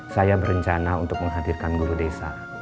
saya berencana untuk menghadirkan guru desa